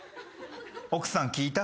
奥さんきいた？